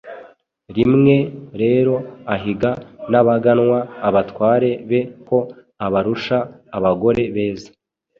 Rimwe rero ahiga n’abaganwa abatware be ko abarusha abagore beza.